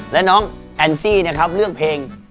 และน้องแอนจี้เลือกเพลง